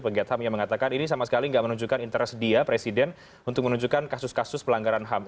pegiat ham yang mengatakan ini sama sekali tidak menunjukkan interest dia presiden untuk menunjukkan kasus kasus pelanggaran ham